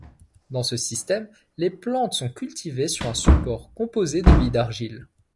Dans ce système, les plantes sont cultivées sur un support composé de billes d'argile.